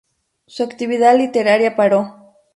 Su actividad literaria paró.